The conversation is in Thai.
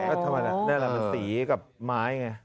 นั่นแหละมันสีกับไม้ไง